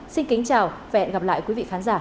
xin kính chào và hẹn gặp lại quý vị khán giả